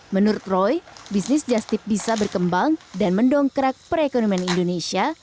menurut roy bisnis justip bisa berkembang dan mendongkrak perekonomian indonesia